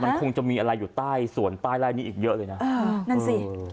มันคงจะมีอะไรอยู่ใต้สวนใต้ไล่นี้อีกเยอะเลยนะอ่านั่นสิ